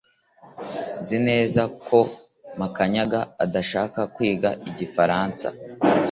Nzi neza ko Makanyaga adashaka kwiga igifaransa